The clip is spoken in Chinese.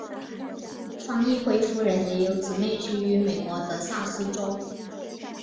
方奕辉夫人也有姊妹居于美国德萨斯州。